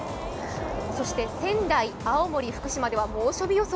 仙台、青森、福島では猛暑日予想。